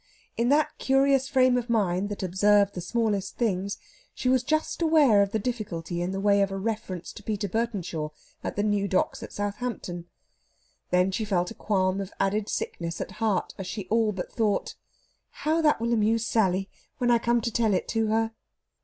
In that curious frame of mind that observed the smallest things, she was just aware of the difficulty in the way of a reference to Peter Burtenshaw at the new docks at Southampton. Then she felt a qualm of added sickness at heart as she all but thought, "How that will amuse Sally when I come to tell it to her!"